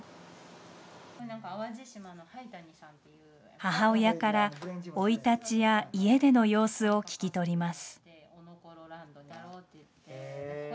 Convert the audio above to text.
母親から、生い立ちや家での様子を聞き取ります。